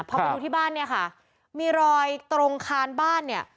พอไปดูที่บ้านเนี่ยค่ะมีรอยตรงคานบ้านเนี่ย